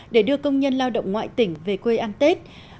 để đưa công nhân lao động ngoại tỉnh về quê ăn tết